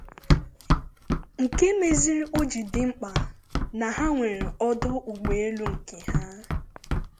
nke mezịrị o jiri dị mkpà na ha nwere ọdụ ụgbọelu nke ha